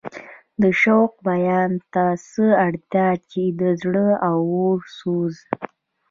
د شوق بیان ته څه اړتیا چې د زړه د اور سوز.